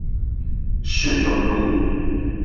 市中路